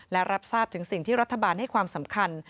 และรับทราบถึงสิ่งที่รัฐบาลให้ความสำคัญ